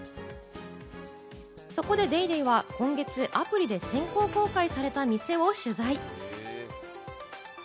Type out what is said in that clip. そこで『ＤａｙＤａｙ．』は今月、アプリで先行公開された店を取材。